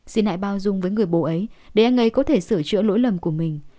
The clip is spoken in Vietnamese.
xin hãy bao dung với người bố ấy để anh ấy có thể sửa chữa lỗi lầm của mình